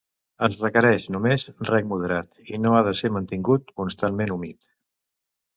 Es requereix només rec moderat i no ha de ser mantingut constantment humit.